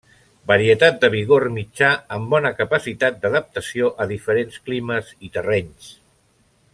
Varietat de vigor mitjà amb bona capacitat d'adaptació a diferents climes i terrenys.